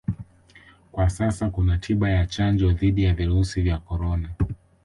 Kwa sasa kuna tiba na chanjo dhidi ya virusi vya Corona